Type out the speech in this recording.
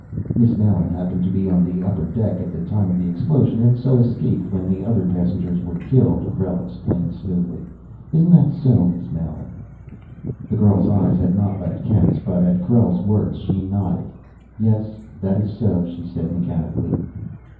"Miss Mallen happened to be on the upper deck at the time of the explosion and, so, escaped when the other passengers were killed," Krell explained smoothly. "Isn't that so, Miss Mallen?" The girl's eyes had not left Kent's, but at Krell's words she nodded. "Yes, that is so," she said mechanically.